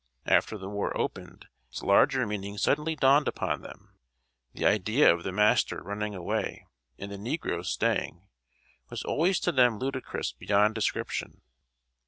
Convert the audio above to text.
After the war opened, its larger meaning suddenly dawned upon them. The idea of the master running away and the negroes staying, was always to them ludicrous beyond description.